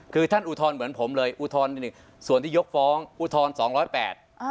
คือท่านอุทธรณ์เหมือนผมเลยอุทธรณ์ส่วนที่ยกฟ้องอุทธรณ์สองร้อยแปดอ่า